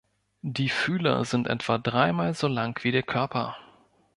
Die Fühler sind etwa dreimal so lang wie der Körper.